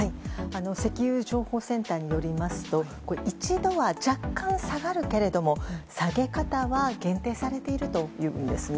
石油情報センターによりますと一度は若干下がるけれども下げ方は限定されているというんですね。